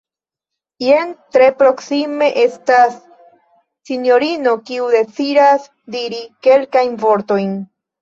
Jen tre proksime estas sinjorino, kiu deziras diri kelkajn vortojn.